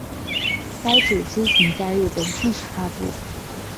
该主机仅在日本正式发布。